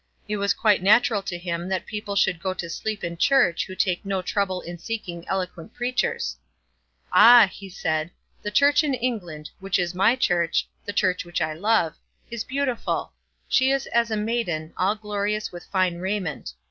It was quite natural to him that people should go to sleep in church who take no trouble in seeking eloquent preachers. "Ah," he said, "the Church in England, which is my Church, the Church which I love, is beautiful. She is as a maiden, all glorious with fine raiment.